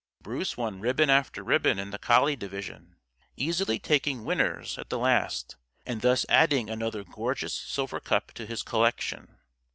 Bruce won ribbon after ribbon in the collie division, easily taking "Winners" at the last, and thus adding another gorgeous silver cup to his collection.